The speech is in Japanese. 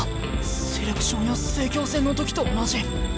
セレクションや成京戦の時と同じ。